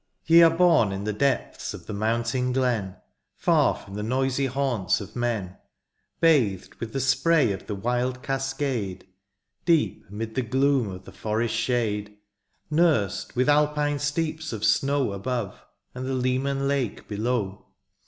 Ye are bom in the depths of the mountain glen^ Far from the noisy haimts of men ; Bathed with the spray of the wild cascade^ Deep ^mid the gloom of the forest shade ; Nursed, with Alpine steeps of snow Above, and the Leman lake below.